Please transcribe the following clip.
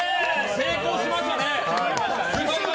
成功しましたね。